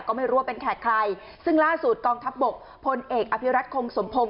ก็ไม่รู้ว่าเป็นแขกใครซึ่งล่าสุดกองทัพบกพลเอกอภิรัตคงสมพงศ